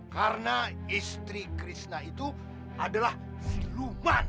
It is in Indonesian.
karena istri krishna itu adalah si luman